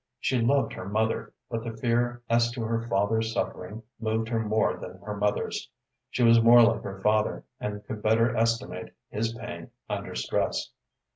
She loved her mother, but the fear as to her father's suffering moved her more than her mother's. She was more like her father, and could better estimate his pain under stress.